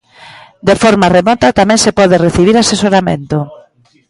De forma remota tamén se pode recibir asesoramento.